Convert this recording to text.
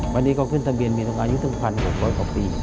วันนี้ก็ขึ้นทางเบียนมีตรงอายุถึง๑๖๐๐ปี